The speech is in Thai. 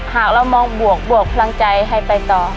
หากเรามองบวกบวกพลังใจให้ไปต่อ